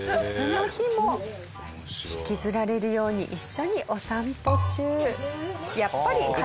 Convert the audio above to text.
引きずられるように一緒にお散歩中。